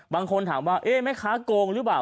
บางคนถามว่าแม่ค้าโกงหรือเปล่า